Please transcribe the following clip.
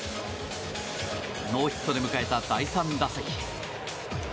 ノーヒットで迎えた第３打席。